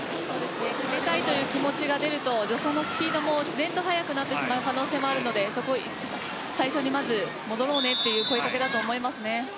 決めたいという気持ちが出るとそのスピードも自然と速くなってしまう可能性もあるので最初に、まず戻ろうねという声掛けだと思いますね。